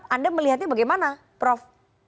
anda melihatnya bagaimana prof